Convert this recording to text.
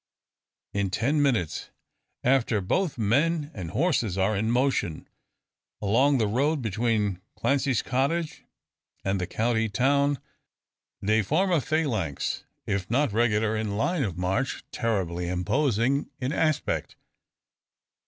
In ten minutes after both men and horses are in motion moving along the road between Clancy's cottage and the county town. They form a phalanx, if not regular in line of march, terribly imposing in aspect.